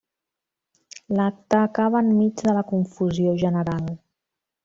L’acte acaba enmig de la confusió general.